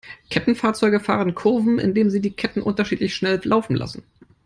Kettenfahrzeuge fahren Kurven, indem sie die Ketten unterschiedlich schnell laufen lassen.